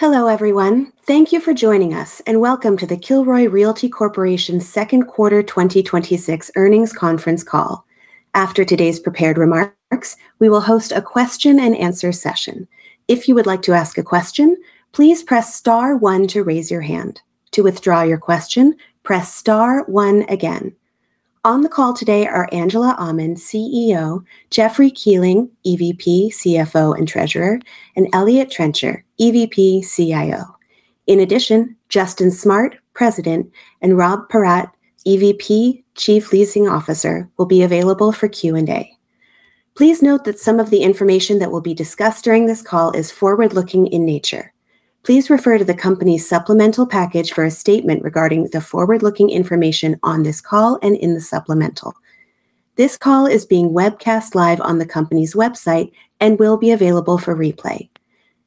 Hello, everyone. Thank you for joining us, and welcome to the Kilroy Realty Corporation second quarter 2026 earnings conference call. After today's prepared remarks, we will host a question-and-answer session. If you would like to ask a question, please press star one to raise your hand. To withdraw your question, press star one again. On the call today are Angela Aman, CEO, Jeffrey Kuehling, EVP, CFO, and Treasurer, and Eliott Trencher, EVP, CIO. In addition, Justin Smart, President, and Rob Paratte, EVP, Chief Leasing Officer, will be available for Q&A. Please note that some of the information that will be discussed during this call is forward-looking in nature. Please refer to the company's supplemental package for a statement regarding the forward-looking information on this call and in the supplemental. This call is being webcast live on the company's website and will be available for replay.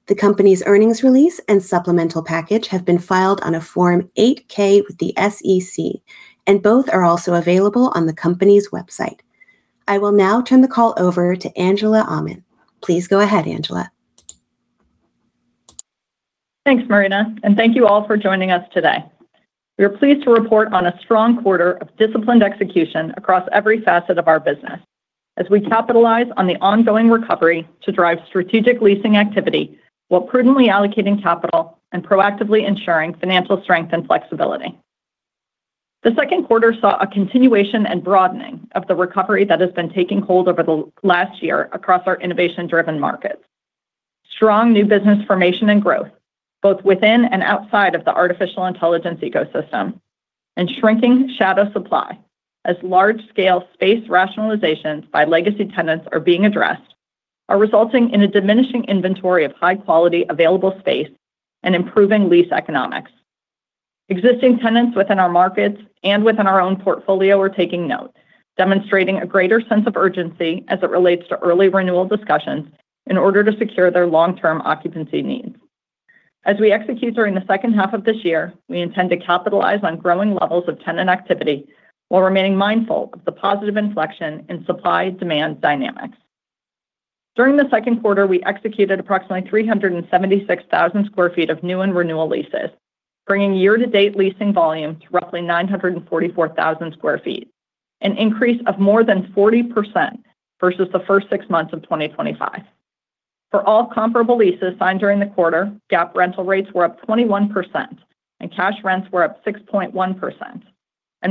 The company's earnings release and supplemental package have been filed on a Form 8-K with the SEC, and both are also available on the company's website. I will now turn the call over to Angela Aman. Please go ahead, Angela. Thanks, Marina, and thank you all for joining us today. We are pleased to report on a strong quarter of disciplined execution across every facet of our business as we capitalize on the ongoing recovery to drive strategic leasing activity while prudently allocating capital and proactively ensuring financial strength and flexibility. The second quarter saw a continuation and broadening of the recovery that has been taking hold over the last year across our innovation-driven markets. Strong new business formation and growth, both within and outside of the artificial intelligence ecosystem, and shrinking shadow supply as large-scale space rationalizations by legacy tenants are being addressed, are resulting in a diminishing inventory of high-quality available space and improving lease economics. Existing tenants within our markets and within our own portfolio are taking note, demonstrating a greater sense of urgency as it relates to early renewal discussions in order to secure their long-term occupancy needs. As we execute during the second half of this year, we intend to capitalize on growing levels of tenant activity while remaining mindful of the positive inflection in supply-demand dynamics. During the second quarter, we executed approximately 376,000 sq ft of new and renewal leases, bringing year-to-date leasing volume to roughly 944,000 sq ft, an increase of more than 40% versus the first six months of 2025. For all comparable leases signed during the quarter, GAAP rental rates were up 21% and cash rents were up 6.1%.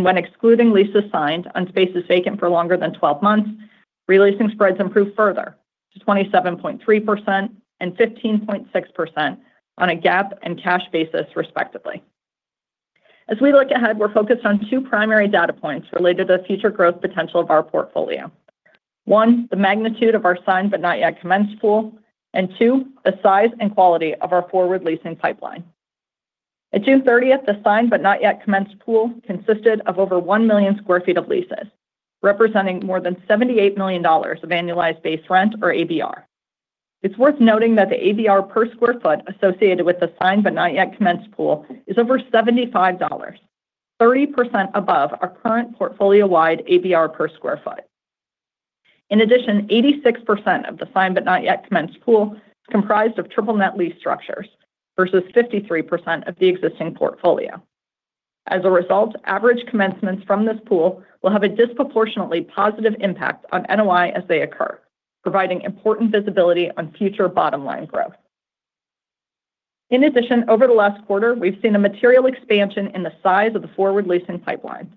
When excluding leases signed on spaces vacant for longer than 12 months, re-leasing spreads improved further to 27.3% and 15.6% on a GAAP and cash basis, respectively. As we look ahead, we're focused on two primary data points related to the future growth potential of our portfolio. One, the magnitude of our signed but not yet commenced pool, and two, the size and quality of our forward leasing pipeline. At June 30th, the signed but not yet commenced pool consisted of over 1 million square feet of leases, representing more than $78 million of annualized base rent or ABR. It's worth noting that the ABR per square foot associated with the signed but not yet commenced pool is over $75, 30% above our current portfolio-wide ABR per square foot. In addition, 86% of the signed but not yet commenced pool is comprised of triple-net lease structures versus 53% of the existing portfolio. As a result, average commencements from this pool will have a disproportionately positive impact on NOI as they occur, providing important visibility on future bottom-line growth. In addition, over the last quarter, we've seen a material expansion in the size of the forward leasing pipeline.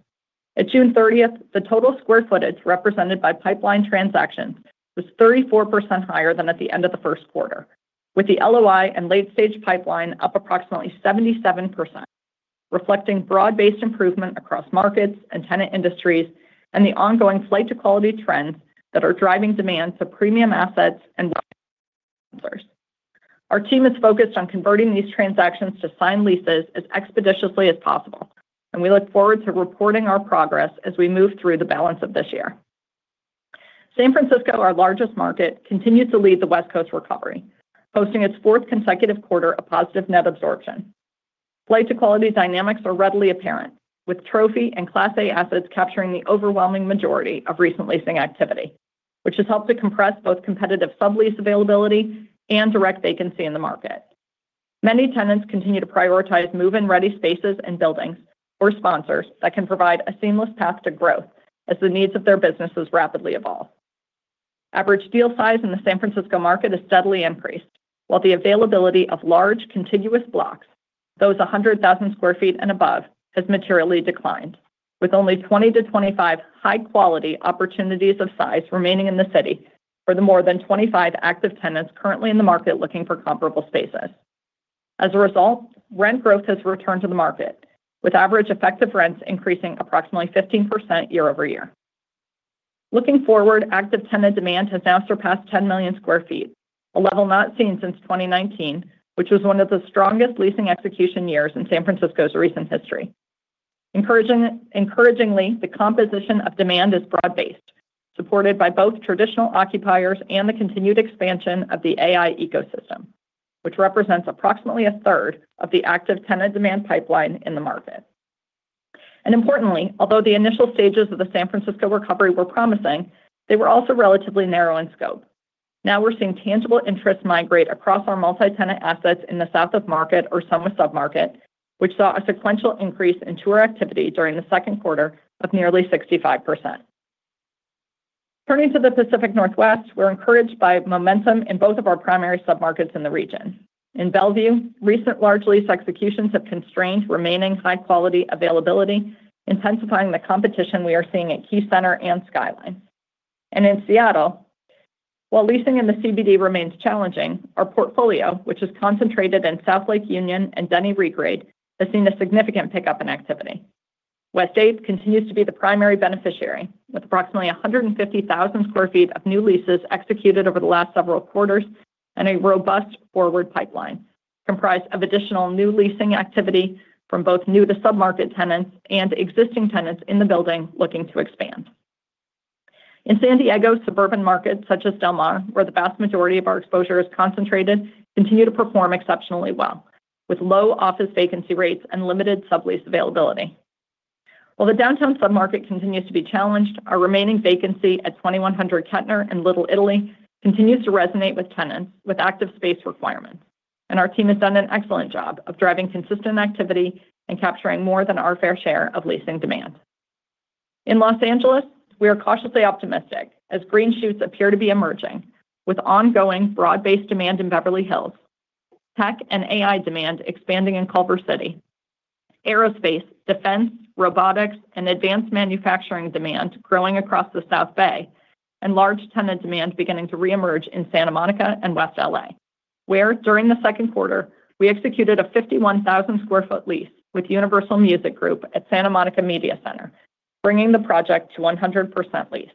At June 30th, the total square footage represented by pipeline transactions was 34% higher than at the end of the first quarter, with the LOI and late-stage pipeline up approximately 77%, reflecting broad-based improvement across markets and tenant industries and the ongoing flight to quality trends that are driving demand for premium assets and sponsors. Our team is focused on converting these transactions to signed leases as expeditiously as possible, and we look forward to reporting our progress as we move through the balance of this year. San Francisco, our largest market, continued to lead the West Coast recovery, posting its fourth consecutive quarter of positive net absorption. Flight to quality dynamics are readily apparent, with trophy and Class A assets capturing the overwhelming majority of recent leasing activity, which has helped to compress both competitive sublease availability and direct vacancy in the market. Many tenants continue to prioritize move-in-ready spaces and buildings or sponsors that can provide a seamless path to growth as the needs of their businesses rapidly evolve. Average deal size in the San Francisco market has steadily increased, while the availability of large, contiguous blocks, those 100,000 sq ft and above, has materially declined, with only 20-25 high-quality opportunities of size remaining in the city for the more than 25 active tenants currently in the market looking for comparable spaces. As a result, rent growth has returned to the market, with average effective rents increasing approximately 15% year-over-year. Looking forward, active tenant demand has now surpassed 10 million square feet, a level not seen since 2019, which was one of the strongest leasing execution years in San Francisco's recent history. Encouragingly, the composition of demand is broad-based, supported by both traditional occupiers and the continued expansion of the AI ecosystem, which represents approximately a third of the active tenant demand pipeline in the market. Importantly, although the initial stages of the San Francisco recovery were promising, they were also relatively narrow in scope. Now we're seeing tangible interest migrate across our multi-tenant assets in the South of Market or SoMa sub-market, which saw a sequential increase in tour activity during the second quarter of nearly 65%. Turning to the Pacific Northwest, we're encouraged by momentum in both of our primary sub-markets in the region. In Bellevue, recent large lease executions have constrained remaining high-quality availability, intensifying the competition we are seeing at Key Center and Skyline. In Seattle, while leasing in the CBD remains challenging, our portfolio, which is concentrated in South Lake Union and Denny Regrade, has seen a significant pickup in activity. Westlake continues to be the primary beneficiary, with approximately 150,000 sq ft of new leases executed over the last several quarters and a robust forward pipeline comprised of additional new leasing activity from both new to sub-market tenants and existing tenants in the building looking to expand. In San Diego, suburban markets such as Del Mar, where the vast majority of our exposure is concentrated, continue to perform exceptionally well, with low office vacancy rates and limited sublease availability. While the downtown sub-market continues to be challenged, our remaining vacancy at 2100 Kettner in Little Italy continues to resonate with tenants with active space requirements. Our team has done an excellent job of driving consistent activity and capturing more than our fair share of leasing demand. In Los Angeles, we are cautiously optimistic as green shoots appear to be emerging with ongoing broad-based demand in Beverly Hills. Tech and AI demand expanding in Culver City. Aerospace, defense, robotics, and advanced manufacturing demand growing across the South Bay, and large tenant demand beginning to reemerge in Santa Monica and West L.A., where during the second quarter, we executed a 51,000 sq ft lease with Universal Music Group at Santa Monica Media Center, bringing the project to 100% leased.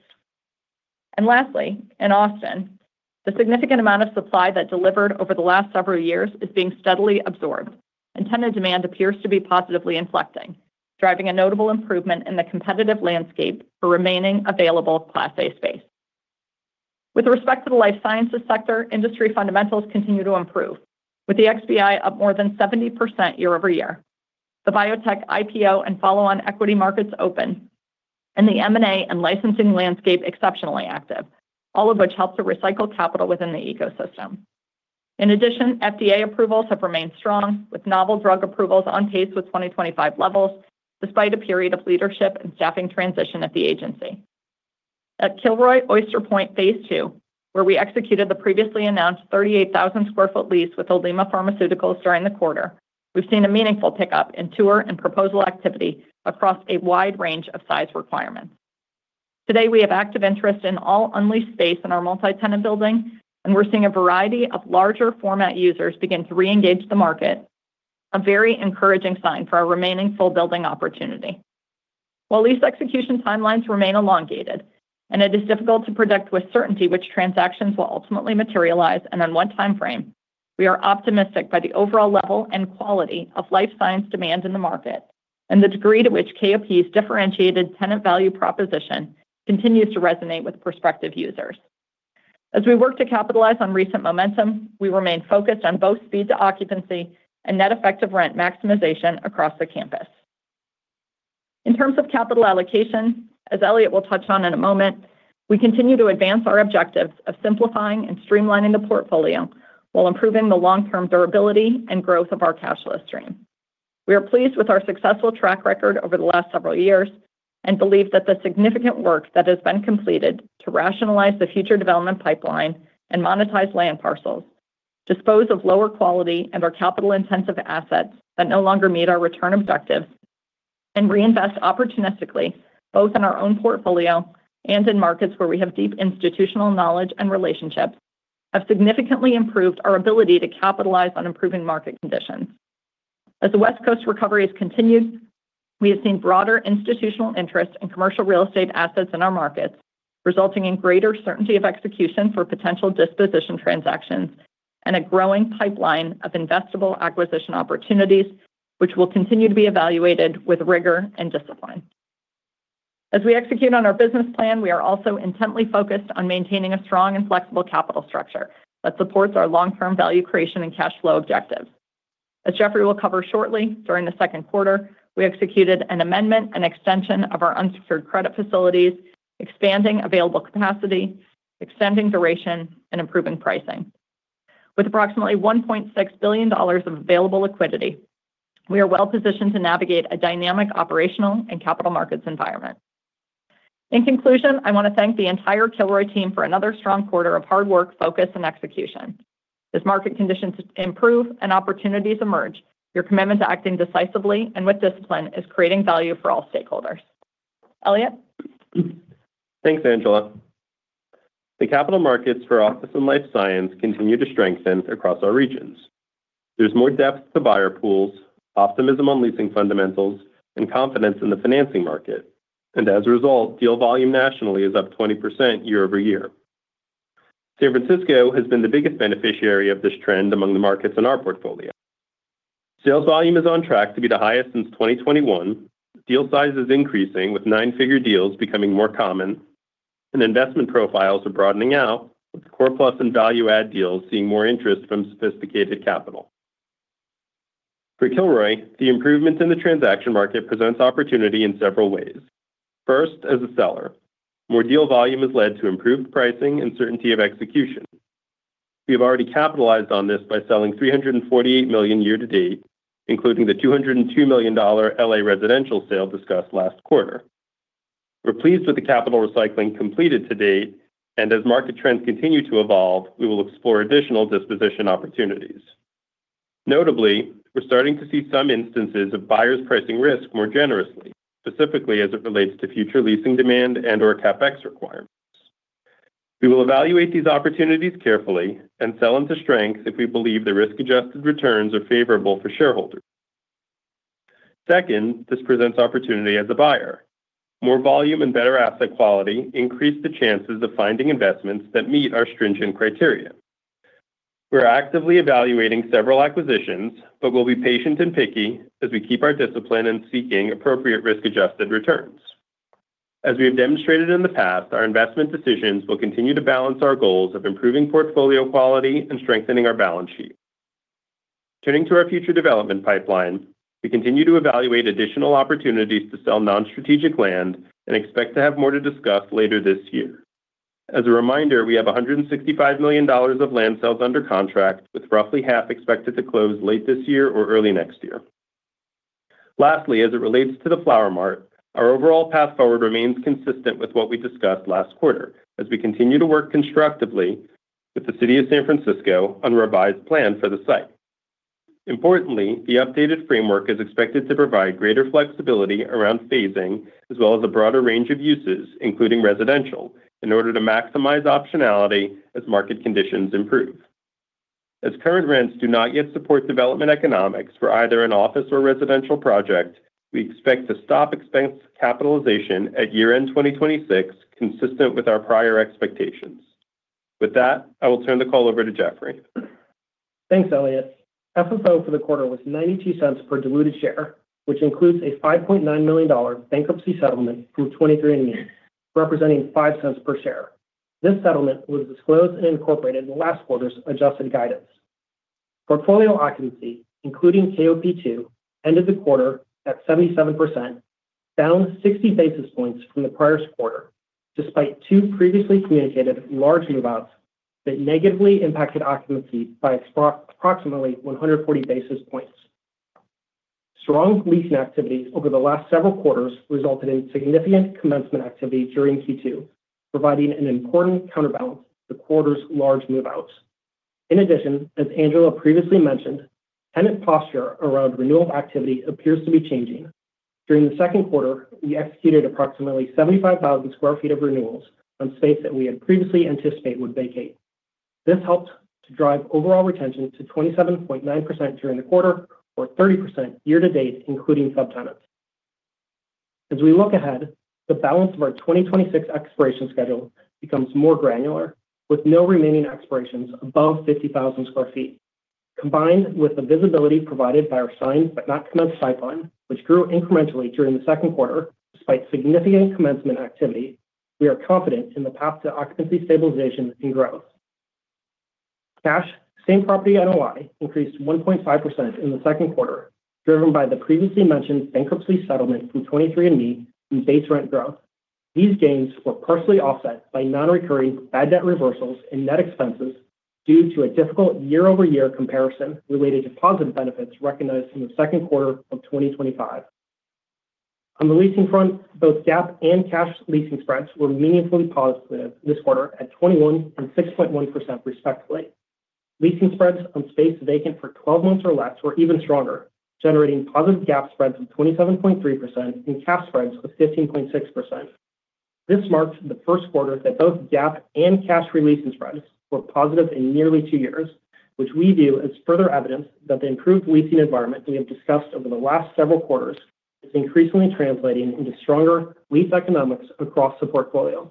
Lastly, in Austin, the significant amount of supply that delivered over the last several years is being steadily absorbed. Tenant demand appears to be positively inflecting, driving a notable improvement in the competitive landscape for remaining available class A space. With respect to the life sciences sector, industry fundamentals continue to improve. With the XBI up more than 70% year-over-year, the biotech IPO and follow-on equity markets open, and the M&A and licensing landscape exceptionally active, all of which helps to recycle capital within the ecosystem. In addition, FDA approvals have remained strong, with novel drug approvals on pace with 2025 levels, despite a period of leadership and staffing transition at the agency. At Kilroy Oyster Point Phase 2, where we executed the previously announced 38,000 sq ft lease with Olema Pharmaceuticals during the quarter, we've seen a meaningful pickup in tour and proposal activity across a wide range of size requirements. Today, we have active interest in all unleased space in our multi-tenant building. We're seeing a variety of larger format users begin to reengage the market, a very encouraging sign for our remaining full building opportunity. While lease execution timelines remain elongated, it is difficult to predict with certainty which transactions will ultimately materialize and in what timeframe, we are optimistic by the overall level and quality of life science demand in the market, and the degree to which KOP's differentiated tenant value proposition continues to resonate with prospective users. As we work to capitalize on recent momentum, we remain focused on both speed to occupancy and net effective rent maximization across the campus. In terms of capital allocation, as Eliott will touch on in a moment, we continue to advance our objectives of simplifying and streamlining the portfolio while improving the long-term durability and growth of our cash list stream. We are pleased with our successful track record over the last several years and believe that the significant work that has been completed to rationalize the future development pipeline and monetize land parcels, dispose of lower quality and our capital-intensive assets that no longer meet our return objectives, and reinvest opportunistically both in our own portfolio and in markets where we have deep institutional knowledge and relationships, have significantly improved our ability to capitalize on improving market conditions. As the West Coast recovery has continued, we have seen broader institutional interest in commercial real estate assets in our markets, resulting in greater certainty of execution for potential disposition transactions and a growing pipeline of investable acquisition opportunities, which will continue to be evaluated with rigor and discipline. As we execute on our business plan, we are also intently focused on maintaining a strong and flexible capital structure that supports our long-term value creation and cash flow objectives. As Jeffrey will cover shortly, during the second quarter, we executed an amendment and extension of our unsecured credit facilities, expanding available capacity, extending duration, and improving pricing. With approximately $1.6 billion of available liquidity, we are well positioned to navigate a dynamic operational and capital markets environment. In conclusion, I want to thank the entire Kilroy team for another strong quarter of hard work, focus, and execution. As market conditions improve and opportunities emerge, your commitment to acting decisively and with discipline is creating value for all stakeholders. Eliott? Thanks, Angela. The capital markets for office and life science continue to strengthen across our regions. There's more depth to buyer pools, optimism on leasing fundamentals, and confidence in the financing market. As a result, deal volume nationally is up 20% year-over-year. San Francisco has been the biggest beneficiary of this trend among the markets in our portfolio. Sales volume is on track to be the highest since 2021. Deal size is increasing, with nine-figure deals becoming more common. Investment profiles are broadening out, with core plus and value add deals seeing more interest from sophisticated capital. For Kilroy, the improvements in the transaction market presents opportunity in several ways. First, as a seller, more deal volume has led to improved pricing and certainty of execution. We have already capitalized on this by selling $348 million year-to-date, including the $202 million L.A. residential sale discussed last quarter. We're pleased with the capital recycling completed to date. As market trends continue to evolve, we will explore additional disposition opportunities. Notably, we're starting to see some instances of buyers pricing risk more generously, specifically as it relates to future leasing demand and/or CapEx requirements. We will evaluate these opportunities carefully and sell into strengths if we believe the risk-adjusted returns are favorable for shareholders. Second, this presents opportunity as a buyer. More volume and better asset quality increase the chances of finding investments that meet our stringent criteria. We're actively evaluating several acquisitions. We'll be patient and picky as we keep our discipline in seeking appropriate risk-adjusted returns. As we have demonstrated in the past, our investment decisions will continue to balance our goals of improving portfolio quality and strengthening our balance sheet. Turning to our future development pipeline, we continue to evaluate additional opportunities to sell non-strategic land and expect to have more to discuss later this year. As a reminder, we have $165 million of land sales under contract, with roughly half expected to close late this year or early next year. As it relates to the Flower Mart, our overall path forward remains consistent with what we discussed last quarter as we continue to work constructively with the City of San Francisco on a revised plan for the site. Importantly, the updated framework is expected to provide greater flexibility around phasing, as well as a broader range of uses, including residential, in order to maximize optionality as market conditions improve. As current rents do not yet support development economics for either an office or residential project, we expect to stop expense capitalization at year-end 2026, consistent with our prior expectations. With that, I will turn the call over to Jeffrey. Thanks, Eliott. FFO for the quarter was $0.92 per diluted share, which includes a $5.9 million bankruptcy settlement through 23andMe, representing $0.05 per share. This settlement was disclosed and incorporated in last quarter's adjusted guidance. Portfolio occupancy, including KOP 2, ended the quarter at 77%, down 60 basis points from the prior quarter, despite two previously communicated large move-outs that negatively impacted occupancy by approximately 140 basis points. Strong leasing activities over the last several quarters resulted in significant commencement activity during Q2, providing an important counterbalance to the quarter's large move-outs. As Angela previously mentioned, tenant posture around renewal activity appears to be changing. During the second quarter, we executed approximately 75,000 sq ft of renewals on space that we had previously anticipated would vacate. This helped to drive overall retention to 27.9% during the quarter, or 30% year-to-date, including subtenants. As we look ahead, the balance of our 2026 expiration schedule becomes more granular, with no remaining expirations above 50,000 sq ft. Combined with the visibility provided by our signed but not commenced pipeline, which grew incrementally during the second quarter despite significant commencement activity, we are confident in the path to occupancy stabilization and growth. Cash same property NOI increased 1.5% in the second quarter, driven by the previously mentioned bankruptcy settlement from 23andMe and base rent growth. These gains were partially offset by non-recurring bad debt reversals and net expenses due to a difficult year-over-year comparison related to positive benefits recognized in the second quarter of 2025. On the leasing front, both GAAP and cash leasing spreads were meaningfully positive this quarter at 21% and 6.1%, respectively. Leasing spreads on space vacant for 12 months or less were even stronger, generating positive GAAP spreads of 27.3% and cash spreads of 15.6%. This marks the first quarter that both GAAP and cash re-leasing spreads were positive in nearly two years, which we view as further evidence that the improved leasing environment we have discussed over the last several quarters is increasingly translating into stronger lease economics across the portfolio.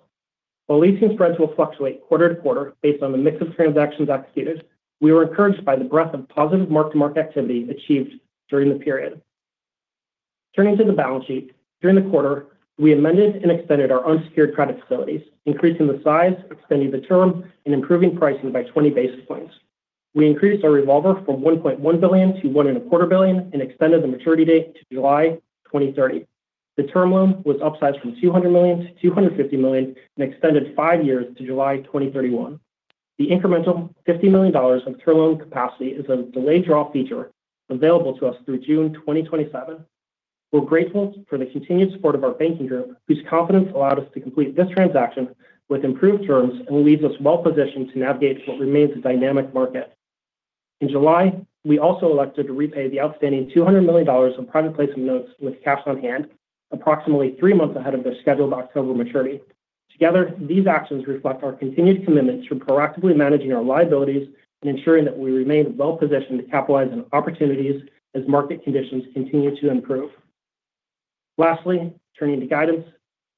While leasing spreads will fluctuate quarter-to-quarter based on the mix of transactions executed, we were encouraged by the breadth of positive mark-to-market activity achieved during the period. Turning to the balance sheet, during the quarter, we amended and extended our unsecured credit facilities, increasing the size, extending the term, and improving pricing by 20 basis points. We increased our revolver from $1.1 billion to $1.25 billion and extended the maturity date to July 2030. The term loan was upsized from $200 million to $250 million and extended five years to July 2031. The incremental $50 million of term loan capacity is a delayed draw feature available to us through June 2027. We're grateful for the continued support of our banking group, whose confidence allowed us to complete this transaction with improved terms and leaves us well positioned to navigate what remains a dynamic market. In July, we also elected to repay the outstanding $200 million of private placement notes with cash on hand, approximately three months ahead of their scheduled October maturity. Together, these actions reflect our continued commitment to proactively managing our liabilities and ensuring that we remain well positioned to capitalize on opportunities as market conditions continue to improve. Lastly, turning to guidance,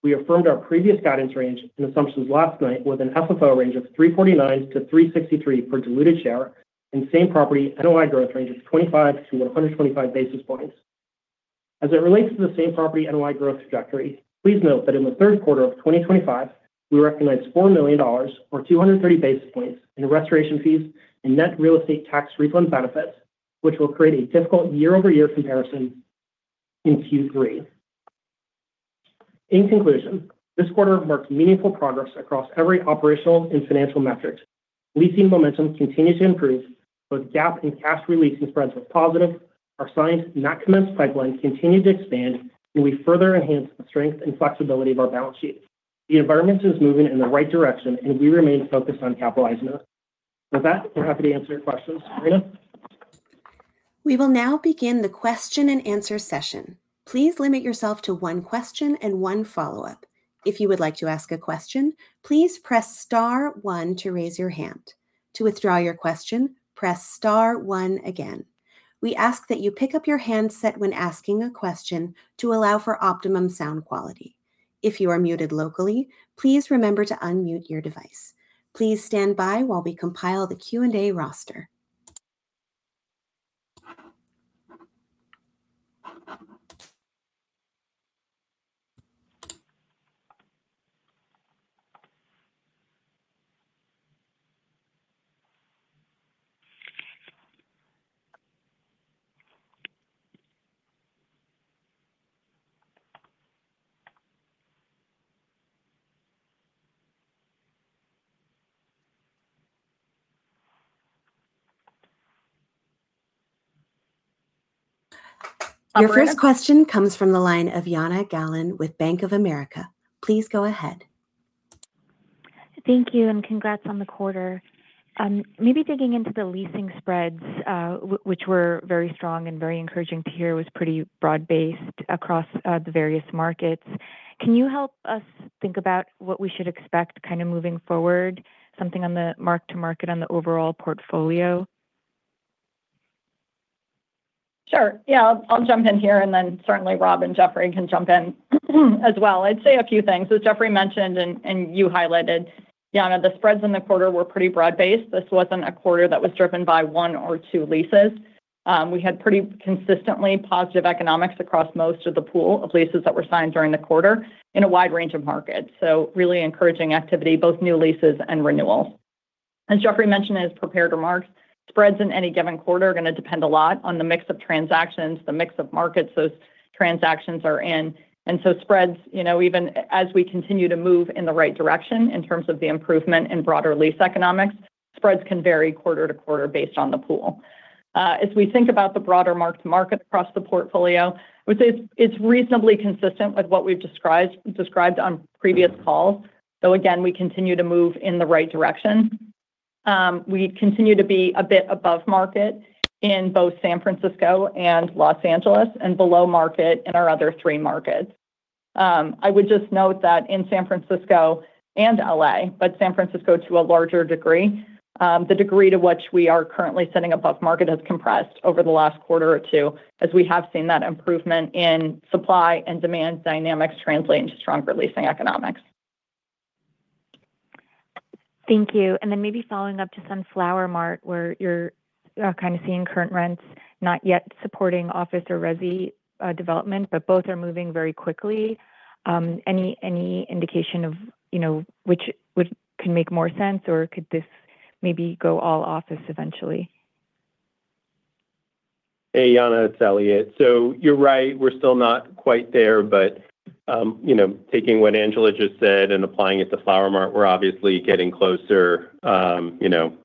we affirmed our previous guidance range and assumptions last night with an FFO range of $3.49-$3.63 per diluted share and same property NOI growth range of 25-125 basis points. As it relates to the same property NOI growth trajectory, please note that in the third quarter of 2025, we recognized $4 million, or 230 basis points in restoration fees and net real estate tax refund benefits, which will create a difficult year-over-year comparison in Q3. In conclusion, this quarter marks meaningful progress across every operational and financial metric. Leasing momentum continues to improve, both GAAP and cash leasing spreads were positive. Our signed not commenced pipeline continued to expand. We further enhanced the strength and flexibility of our balance sheet. The environment is moving in the right direction, and we remain focused on capitalizing on it. With that, we are happy to answer your questions. Marina? We will now begin the question-and-answer session. Please limit yourself to one question and one follow-up. If you would like to ask a question, please press star one to raise your hand. To withdraw your question, press star one again. We ask that you pick up your handset when asking a question to allow for optimum sound quality. If you are muted locally, please remember to unmute your device. Please stand by while we compile the Q&A roster. Your first question comes from the line of Jana Galan with Bank of America. Please go ahead. Thank you, congrats on the quarter. Maybe digging into the leasing spreads, which were very strong and very encouraging to hear, was pretty broad-based across the various markets. Can you help us think about what we should expect moving forward? Something on the mark to market on the overall portfolio? Sure. Yeah, I will jump in here, then certainly Rob and Jeffrey can jump in as well. I would say a few things. As Jeffrey mentioned and you highlighted, Jana, the spreads in the quarter were pretty broad based. This wasn't a quarter that was driven by one or two leases. We had pretty consistently positive economics across most of the pool of leases that were signed during the quarter in a wide range of markets. Really encouraging activity, both new leases and renewals. As Jeffrey mentioned in his prepared remarks, spreads in any given quarter are going to depend a lot on the mix of transactions, the mix of markets those transactions are in. Spreads, even as we continue to move in the right direction in terms of the improvement in broader lease economics, spreads can vary quarter to quarter based on the pool. As we think about the broader mark to market across the portfolio, I would say it's reasonably consistent with what we've described on previous calls. Again, we continue to move in the right direction. We continue to be a bit above market in both San Francisco and L.A., and below market in our other three markets. I would just note that in San Francisco and L.A., but San Francisco to a larger degree, the degree to which we are currently sitting above market has compressed over the last quarter or two as we have seen that improvement in supply and demand dynamics translate into stronger leasing economics. Thank you. Maybe following up to some Flower Mart, where you're kind of seeing current rents not yet supporting office or resi development, but both are moving very quickly. Any indication of which can make more sense or could this maybe go all office eventually? Hey, Jana, it's Eliott. You're right. We're still not quite there. Taking what Angela just said and applying it to Flower Mart, we're obviously getting closer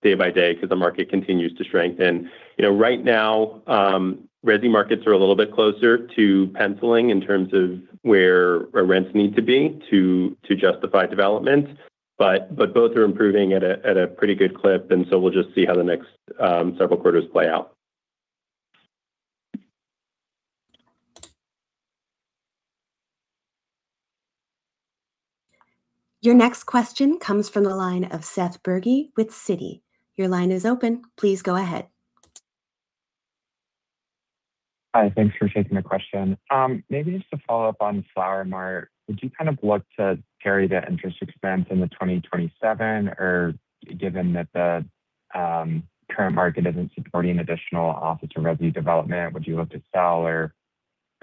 day by day because the market continues to strengthen. Right now, resi markets are a little bit closer to penciling in terms of where our rents need to be to justify development. Both are improving at a pretty good clip. We'll just see how the next several quarters play out. Your next question comes from the line of Seth Bergey with Citi. Your line is open. Please go ahead. Hi, thanks for taking the question. Maybe just to follow up on Flower Mart, would you kind of look to carry the interest expense into 2027? Given that the current market isn't supporting additional office or resi development, would you look to sell or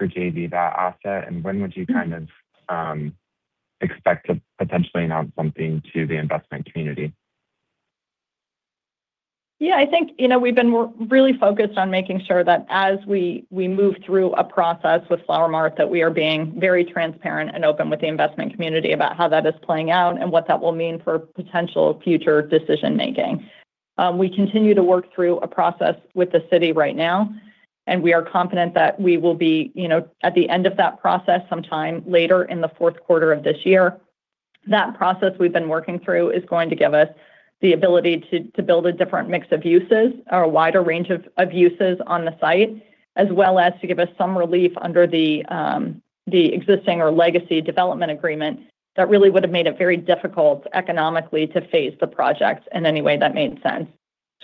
JV that asset? When would you kind of expect to potentially announce something to the investment community? Yeah, I think we've been really focused on making sure that as we move through a process with Flower Mart, that we are being very transparent and open with the investment community about how that is playing out and what that will mean for potential future decision making. We continue to work through a process with the city right now, we are confident that we will be at the end of that process sometime later in the fourth quarter of this year. That process we've been working through is going to give us the ability to build a different mix of uses or a wider range of uses on the site, as well as to give us some relief under the existing or legacy development agreement that really would have made it very difficult economically to phase the projects in any way that made sense.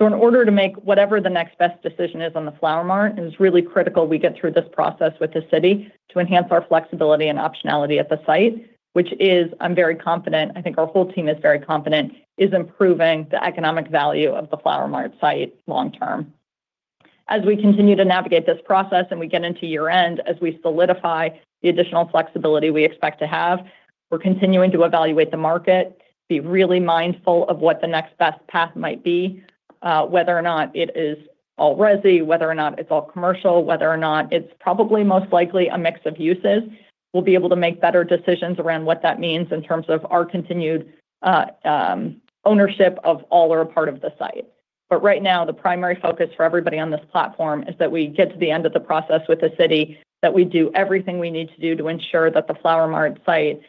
In order to make whatever the next best decision is on the Flower Mart, it is really critical we get through this process with the city to enhance our flexibility and optionality at the site. Which is, I'm very confident, I think our whole team is very confident, is improving the economic value of the Flower Mart site long term. As we continue to navigate this process and we get into year-end, as we solidify the additional flexibility we expect to have, we're continuing to evaluate the market, be really mindful of what the next best path might be, whether or not it is all resi, whether or not it's all commercial, whether or not it's probably most likely a mix of uses. We'll be able to make better decisions around what that means in terms of our continued ownership of all or a part of the site. Right now, the primary focus for everybody on this platform is that we get to the end of the process with the city, that we do everything we need to do to ensure that the Flower Mart site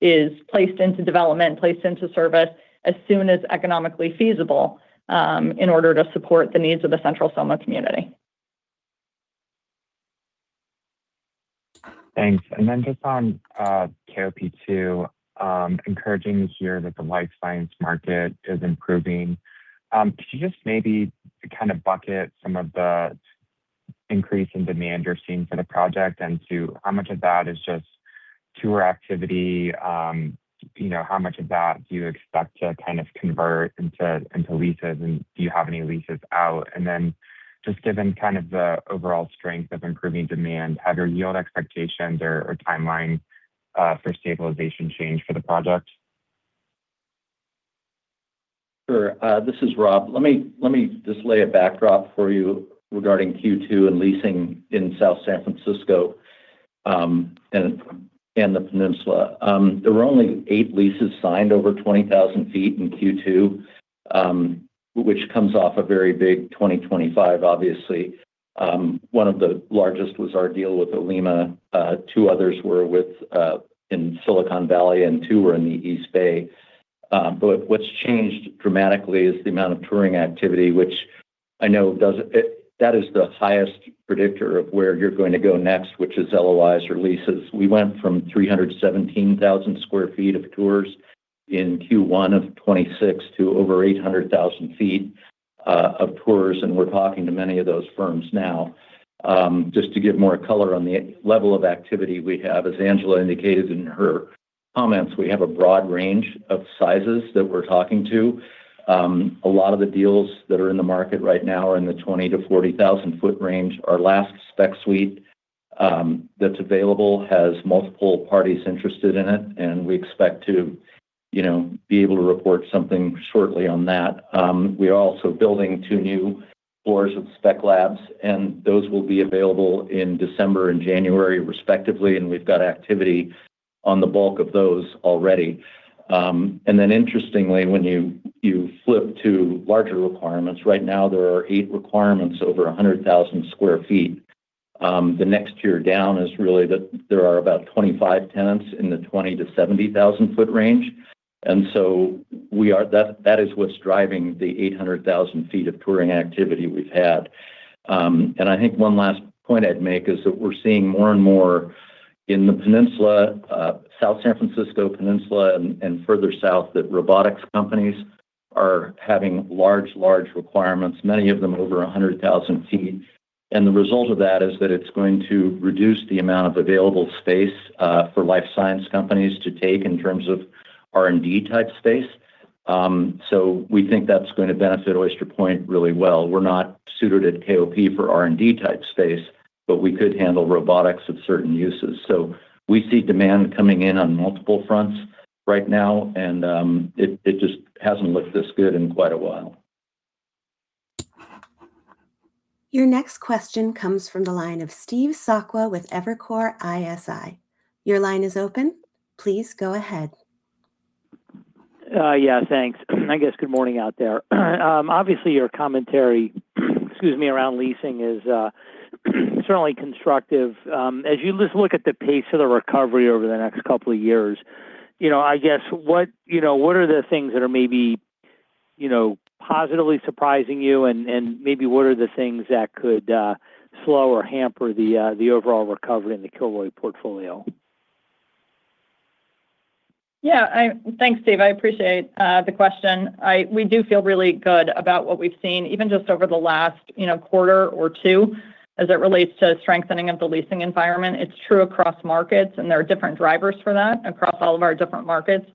is placed into development, placed into service as soon as economically feasible in order to support the needs of the Central SoMa community. Thanks. Just on KOP 2, encouraging to hear that the life science market is improving. Could you just maybe kind of bucket some of the increase in demand you're seeing for the project into how much of that is just tour activity? How much of that do you expect to kind of convert into leases, and do you have any leases out? Just given kind of the overall strength of improving demand, have your yield expectations or timeline for stabilization changed for the project? Sure. This is Rob. Let me just lay a backdrop for you regarding Q2 and leasing in South San Francisco and the peninsula. There were only eight leases signed over 20,000 ft in Q2, which comes off a very big 2025, obviously. One of the largest was our deal with Olema, two others were in Silicon Valley, and two were in the East Bay. What's changed dramatically is the amount of touring activity, which I know that is the highest predictor of where you're going to go next, which is LOIs or leases. We went from 317,000 sq ft of tours in Q1 of 2026 to over 800,000 ft of tours, and we're talking to many of those firms now. Just to give more color on the level of activity we have, as Angela indicated in her comments, we have a broad range of sizes that we're talking to. A lot of the deals that are in the market right now are in the 20,000ft-40,000 ft range. Our last spec suite that's available has multiple parties interested in it, and we expect to be able to report something shortly on that. We are also building two new floors of spec labs, and those will be available in December and January respectively, and we've got activity on the bulk of those already. Interestingly, when you flip to larger requirements, right now there are eight requirements over 100,000 sq ft. The next tier down is really that there are about 25 tenants in the 20,000ft-70,000 ft range. That is what's driving the 800,000 ft of touring activity we've had. I think one last point I'd make is that we're seeing more and more in the peninsula, South San Francisco peninsula, and further south, that robotics companies are having large requirements, many of them over 100,000 ft. The result of that is that it's going to reduce the amount of available space for life science companies to take in terms of R&D type space. We think that's going to benefit Oyster Point really well. We're not suited at KOP for R&D type space, but we could handle robotics of certain uses. We see demand coming in on multiple fronts right now, and it just hasn't looked this good in quite a while. Your next question comes from the line of Steve Sakwa with Evercore ISI. Your line is open. Please go ahead. Yeah, thanks. I guess good morning out there. Obviously, your commentary, excuse me, around leasing is certainly constructive. As you look at the pace of the recovery over the next couple of years, I guess, what are the things that are maybe positively surprising you and maybe what are the things that could slow or hamper the overall recovery in the Kilroy portfolio? Yeah. Thanks, Steve. I appreciate the question. We do feel really good about what we've seen, even just over the last quarter or two as it relates to strengthening of the leasing environment. It's true across markets. There are different drivers for that across all of our different markets.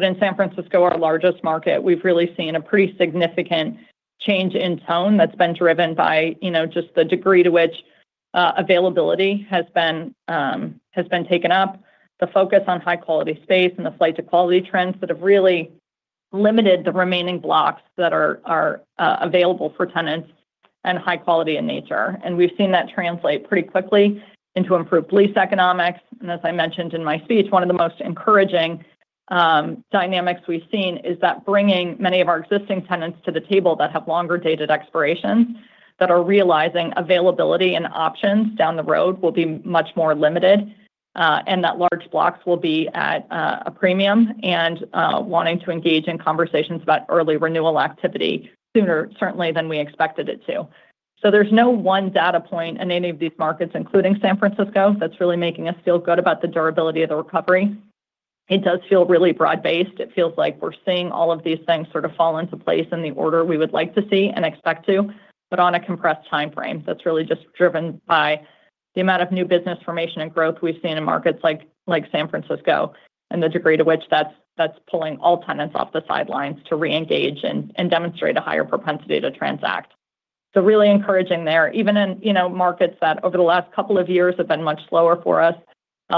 In San Francisco, our largest market, we've really seen a pretty significant change in tone that's been driven by just the degree to which availability has been taken up, the focus on high quality space and the flight to quality trends that have really limited the remaining blocks that are available for tenants and high quality in nature. We've seen that translate pretty quickly into improved lease economics. As I mentioned in my speech, one of the most encouraging dynamics we've seen is that bringing many of our existing tenants to the table that have longer dated expirations that are realizing availability and options down the road will be much more limited. That large blocks will be at a premium and wanting to engage in conversations about early renewal activity sooner certainly than we expected it to. There's no one data point in any of these markets, including San Francisco, that's really making us feel good about the durability of the recovery. It does feel really broad based. It feels like we're seeing all of these things sort of fall into place in the order we would like to see and expect to, but on a compressed timeframe that's really just driven by the amount of new business formation and growth we've seen in markets like San Francisco, and the degree to which that's pulling all tenants off the sidelines to re-engage and demonstrate a higher propensity to transact. Really encouraging there. Even in markets that over the last couple of years have been much slower for us,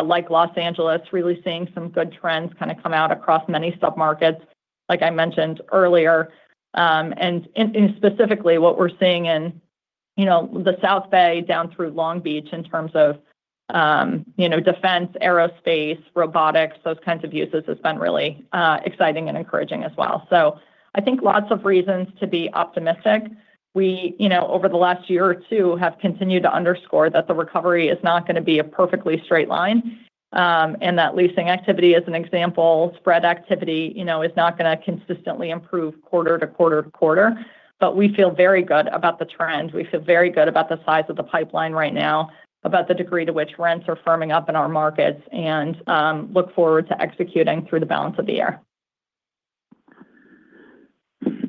like Los Angeles, really seeing some good trends kind of come out across many sub-markets, like I mentioned earlier. Specifically what we're seeing in the South Bay down through Long Beach in terms of defense, aerospace, robotics, those kinds of uses has been really exciting and encouraging as well. I think lots of reasons to be optimistic. We, over the last year or two, have continued to underscore that the recovery is not going to be a perfectly straight line. That leasing activity, as an example, spread activity, is not going to consistently improve quarter to quarter to quarter. We feel very good about the trends. We feel very good about the size of the pipeline right now, about the degree to which rents are firming up in our markets, and look forward to executing through the balance of the year.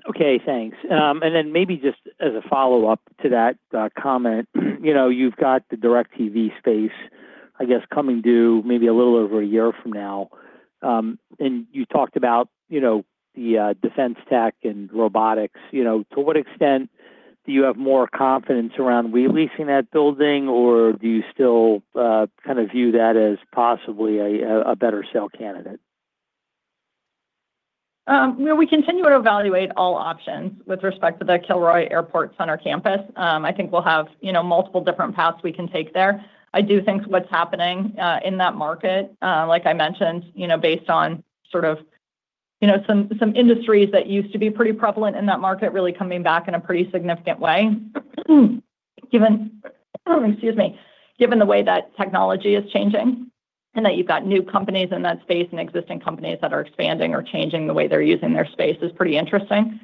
Okay, thanks. Maybe just as a follow-up to that comment, you've got the DirecTV space, I guess, coming due maybe a little over one year from now. You talked about the defense tech and robotics. To what extent do you have more confidence around re-leasing that building, or do you still kind of view that as possibly a better sell candidate? We continue to evaluate all options with respect to the Kilroy Airport Center campus. I think we'll have multiple different paths we can take there. I do think what's happening in that market, like I mentioned, based on sort of some industries that used to be pretty prevalent in that market really coming back in a pretty significant way. Excuse me. Given the way that technology is changing, and that you've got new companies in that space and existing companies that are expanding or changing the way they're using their space is pretty interesting.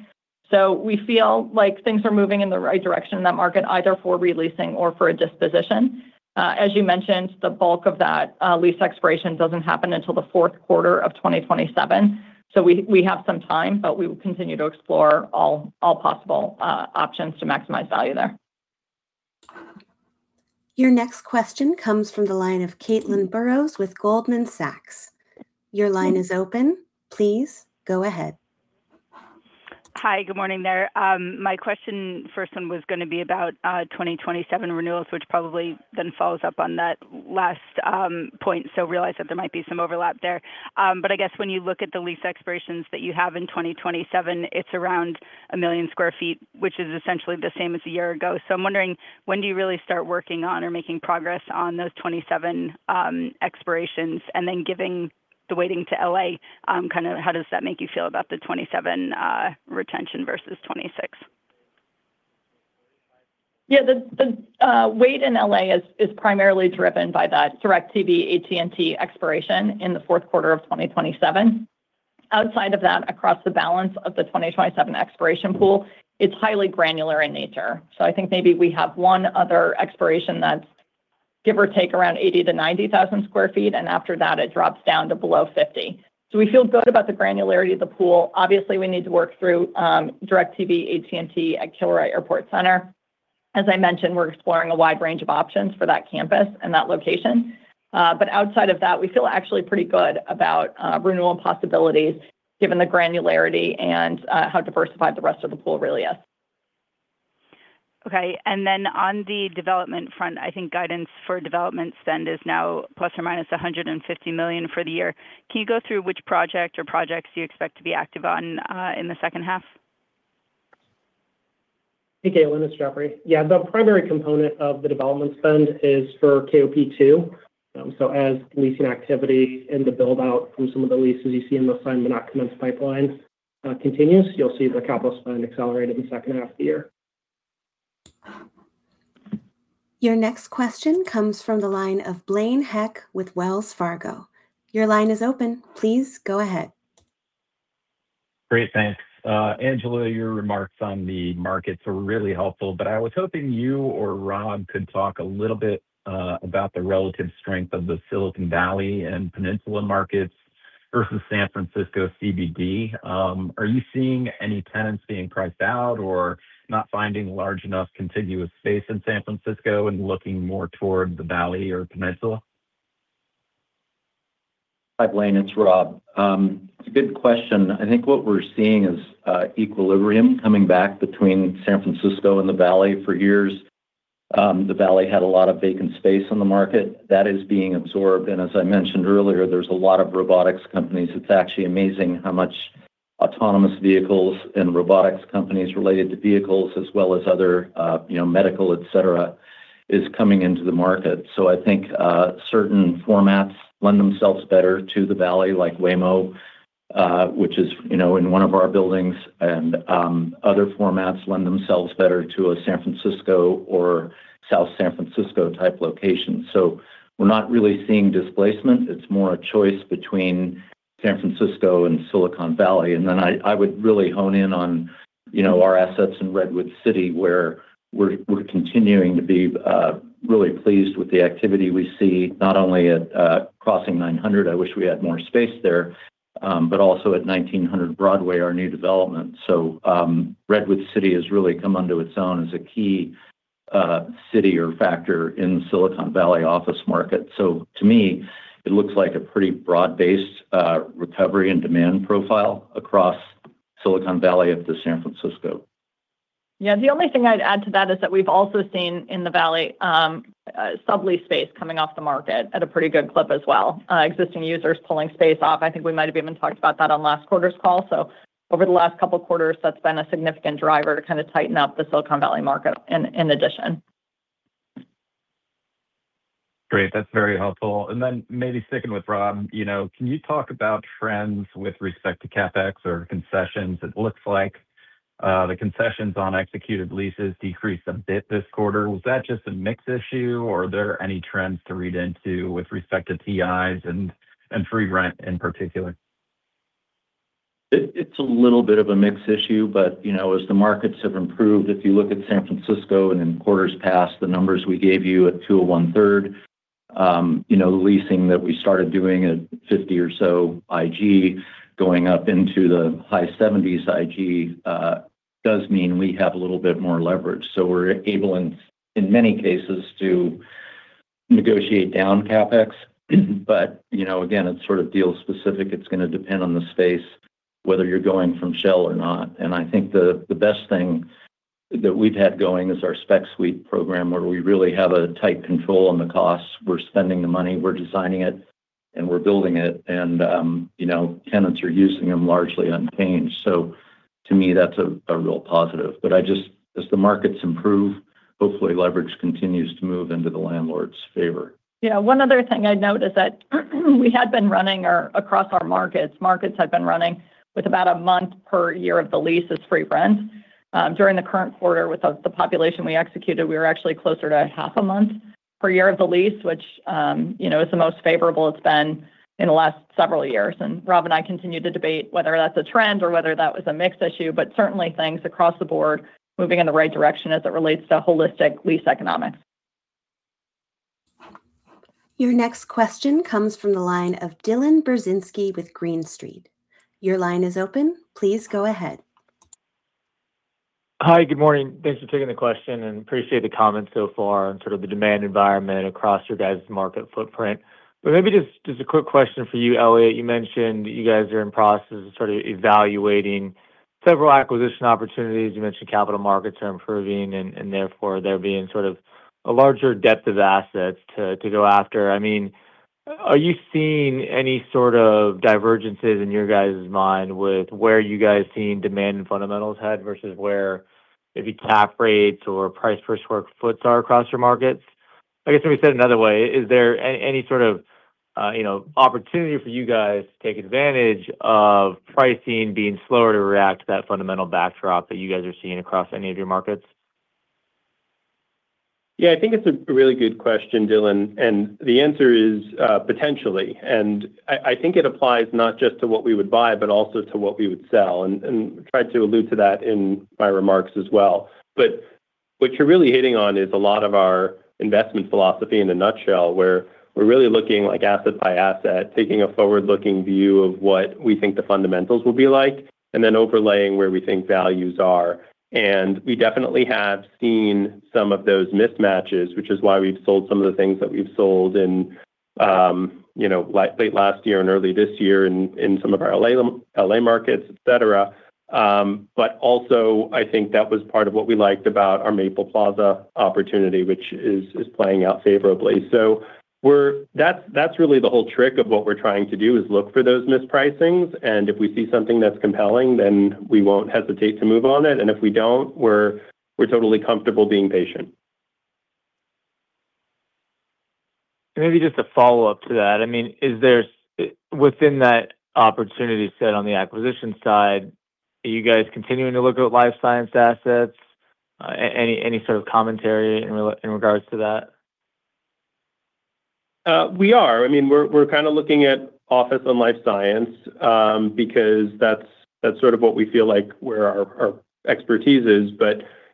We feel like things are moving in the right direction in that market, either for re-leasing or for a disposition. As you mentioned, the bulk of that lease expiration doesn't happen until the fourth quarter of 2027. We have some time, but we will continue to explore all possible options to maximize value there. Your next question comes from the line of Caitlin Burrows with Goldman Sachs. Your line is open. Please go ahead. Hi. Good morning there. My question, first one, was going to be about 2027 renewals, which probably follows up on that last point. Realize that there might be some overlap there. I guess when you look at the lease expirations that you have in 2027, it's around 1 million square feet, which is essentially the same as one year ago. I'm wondering, when do you really start working on or making progress on those 2027 expirations? Giving the weighting to L.A., kind of how does that make you feel about the 2027 retention versus 2026? Yeah. The weight in L.A. is primarily driven by that DirecTV AT&T expiration in the fourth quarter of 2027. Outside of that, across the balance of the 2027 expiration pool, it's highly granular in nature. I think maybe we have one other expiration that's give or take around 80,000-90,000 sq ft, and after that it drops down to below 50,000 sq ft. We feel good about the granularity of the pool. Obviously, we need to work through DirecTV AT&T at Kilroy Airport Center. As I mentioned, we're exploring a wide range of options for that campus and that location. Outside of that, we feel actually pretty good about renewal possibilities given the granularity and how diversified the rest of the pool really is. Okay. On the development front, I think guidance for development spend is now ±$150 million for the year. Can you go through which project or projects you expect to be active on in the second half? Hey, Caitlin, it's Jeffrey. The primary component of the development spend is for KOP 2. As leasing activity and the build out from some of the leases you see in those signed but not commenced pipelines continues, you'll see the capital spend accelerate in the second half of the year. Your next question comes from the line of Blaine Heck with Wells Fargo. Your line is open. Please go ahead. Great. Thanks. Angela, your remarks on the markets are really helpful, but I was hoping you or Rob could talk a little bit about the relative strength of the Silicon Valley and Peninsula markets versus San Francisco CBD. Are you seeing any tenants being priced out or not finding large enough contiguous space in San Francisco and looking more toward the Valley or Peninsula? Hi, Blaine, it's Rob. It's a good question. I think what we're seeing is equilibrium coming back between San Francisco and the Valley. For years, the Valley had a lot of vacant space on the market. That is being absorbed, and as I mentioned earlier, there's a lot of robotics companies. It's actually amazing how much autonomous vehicles and robotics companies related to vehicles as well as other medical, et cetera, is coming into the market. I think certain formats lend themselves better to the Valley, like Waymo, which is in one of our buildings, and other formats lend themselves better to a San Francisco or South San Francisco type location. We're not really seeing displacement. It's more a choice between San Francisco and Silicon Valley. I would really hone in on our assets in Redwood City, where we're continuing to be really pleased with the activity we see, not only at Crossing 900, I wish we had more space there. Also at 1900 Broadway, our new development. Redwood City has really come onto its own as a key city or factor in Silicon Valley office market. To me, it looks like a pretty broad-based recovery and demand profile across Silicon Valley up to San Francisco. Yeah. The only thing I'd add to that is that we've also seen in the Valley, sublease space coming off the market at a pretty good clip as well. Existing users pulling space off. I think we might have even talked about that on last quarter's call. Over the last couple of quarters, that's been a significant driver to kind of tighten up the Silicon Valley market in addition. Great. That's very helpful. Maybe sticking with Rob, can you talk about trends with respect to CapEx or concessions? It looks like the concessions on executed leases decreased a bit this quarter. Was that just a mix issue, or are there any trends to read into with respect to TIs and free rent in particular? It's a little bit of a mix issue. As the markets have improved, if you look at San Francisco and in quarters past, the numbers we gave you at 201 Third, leasing that we started doing at 50 or so IG, going up into the high 70s IG, does mean we have a little bit more leverage. We're able, in many cases, to negotiate down CapEx. Again, it's sort of deal specific. It's going to depend on the space, whether you're going from shell or not. I think the best thing that we've had going is our spec suite program, where we really have a tight control on the costs. We're spending the money, we're designing it, and we're building it, and tenants are using them largely unchanged. To me, that's a real positive. As the markets improve, hopefully leverage continues to move into the landlord's favor. Yeah. One other thing I'd note is that we had been running across our markets. Markets had been running with about a month per year of the lease as free rent. During the current quarter with the population we executed, we were actually closer to a half a month per year of the lease, which is the most favorable it's been in the last several years. Rob and I continue to debate whether that's a trend or whether that was a mix issue. Certainly things across the board moving in the right direction as it relates to holistic lease economics. Your next question comes from the line of Dylan Burzinski with Green Street. Your line is open. Please go ahead. Hi, good morning. Thanks for taking the question and appreciate the comments so far on sort of the demand environment across your guys' market footprint. Maybe just a quick question for you, Eliott. You mentioned that you guys are in process of sort of evaluating several acquisition opportunities. You mentioned capital markets are improving and therefore there being sort of a larger depth of assets to go after. Are you seeing any sort of divergences in your guys' mind with where you guys seen demand and fundamentals head, versus where maybe cap rates or price per square feet are across your markets? I guess, let me say it another way. Is there any sort of opportunity for you guys to take advantage of pricing being slower to react to that fundamental backdrop that you guys are seeing across any of your markets? Yeah, I think it's a really good question, Dylan, and the answer is potentially. I think it applies not just to what we would buy, but also to what we would sell, and tried to allude to that in my remarks as well. What you're really hitting on is a lot of our investment philosophy in a nutshell, where we're really looking like asset by asset, taking a forward-looking view of what we think the fundamentals will be like, and then overlaying where we think values are. We definitely have seen some of those mismatches, which is why we've sold some of the things that we've sold in late last year and early this year in some of our L.A. markets, et cetera. Also, I think that was part of what we liked about our Maple Plaza opportunity, which is playing out favorably. That's really the whole trick of what we're trying to do, is look for those mispricings, and if we see something that's compelling, then we won't hesitate to move on it. If we don't, we're totally comfortable being patient. Maybe just a follow-up to that. Within that opportunity set on the acquisition side, are you guys continuing to look at life science assets? Any sort of commentary in regards to that? We are. We're kind of looking at office and life science, because that's sort of what we feel like where our expertise is.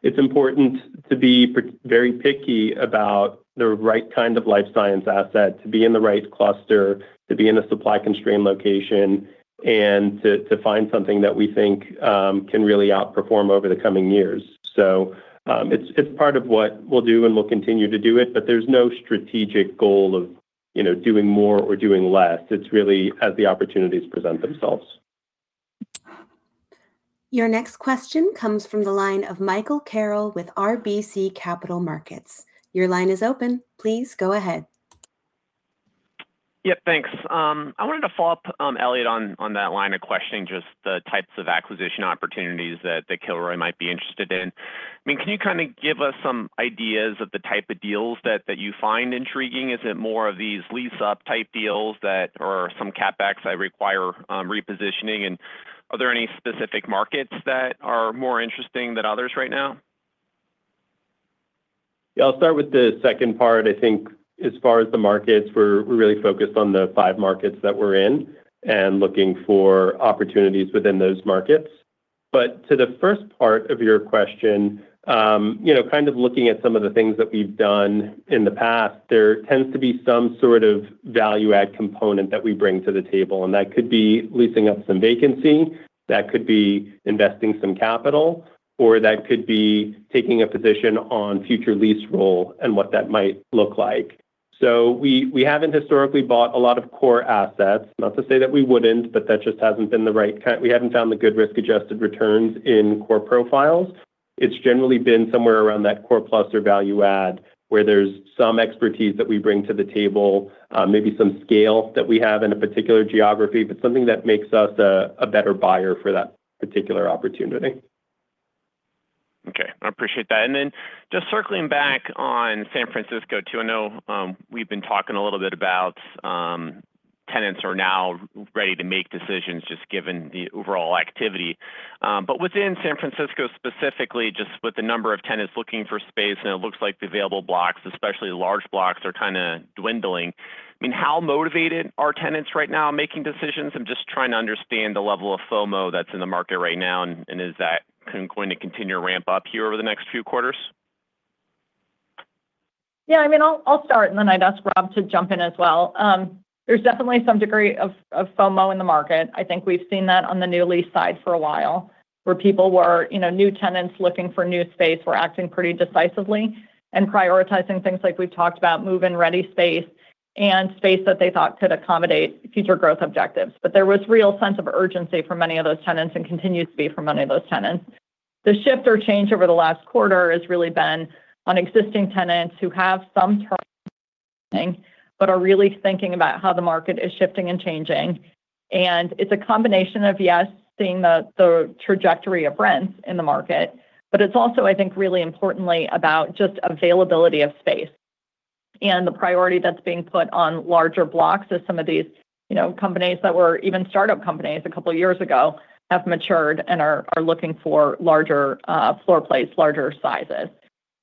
It's important to be very picky about the right kind of life science asset to be in the right cluster, to be in a supply-constrained location, and to find something that we think can really outperform over the coming years. It's part of what we'll do, and we'll continue to do it, but there's no strategic goal of doing more or doing less. It's really as the opportunities present themselves. Your next question comes from the line of Michael Carroll with RBC Capital Markets. Your line is open. Please go ahead. Yeah, thanks. I wanted to follow up Eliott, on that line of questioning, just the types of acquisition opportunities that Kilroy might be interested in. Can you kind of give us some ideas of the type of deals that you find intriguing? Is it more of these lease up type deals or some CapEx that require repositioning? Are there any specific markets that are more interesting than others right now? Yeah. I'll start with the second part. I think as far as the markets, we're really focused on the five markets that we're in and looking for opportunities within those markets. To the first part of your question, kind of looking at some of the things that we've done in the past, there tends to be some sort of value add component that we bring to the table, that could be leasing up some vacancy, that could be investing some capital, or that could be taking a position on future lease roll and what that might look like. We haven't historically bought a lot of core assets. Not to say that we wouldn't, but we haven't found the good risk-adjusted returns in core profiles. It's generally been somewhere around that core plus or value add where there's some expertise that we bring to the table, maybe some scale that we have in a particular geography, something that makes us a better buyer for that particular opportunity. Okay. I appreciate that. Just circling back on San Francisco too, I know we've been talking a little bit about tenants are now ready to make decisions just given the overall activity. Within San Francisco specifically, just with the number of tenants looking for space, it looks like the available blocks, especially large blocks, are kind of dwindling. How motivated are tenants right now making decisions? I'm just trying to understand the level of FOMO that's in the market right now, and is that going to continue to ramp up here over the next few quarters? Yeah, I'll start, I'd ask Rob to jump in as well. There's definitely some degree of FOMO in the market. I think we've seen that on the new lease side for a while, where people who are new tenants looking for new space were acting pretty decisively and prioritizing things like we've talked about, move-in ready space and space that they thought could accommodate future growth objectives. There was real sense of urgency for many of those tenants and continues to be for many of those tenants. The shift or change over the last quarter has really been on existing tenants who have some time, but are really thinking about how the market is shifting and changing. It's a combination of, yes, seeing the trajectory of rents in the market, but it's also, I think, really importantly about just availability of space. The priority that's being put on larger blocks as some of these companies that were even startup companies a couple of years ago have matured and are looking for larger floor plates, larger sizes.